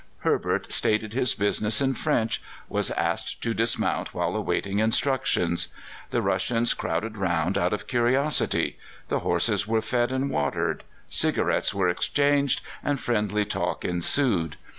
Herbert stated his business in French, was asked to dismount while awaiting instructions. The Russians crowded round out of curiosity; the horses were fed and watered, cigarettes were exchanged, and friendly talk ensued.